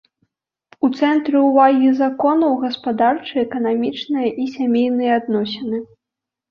У цэнтры ўвагі законаў гаспадарчыя, эканамічныя і сямейныя адносіны.